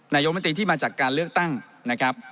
นายกมนตรีที่มาจากการเลือกตั้งนะครับ